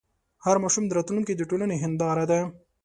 هر ماشوم د راتلونکي د ټولنې هنداره ده.